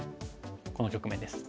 この局面です。